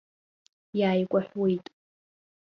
Иааикәаҳәуеит.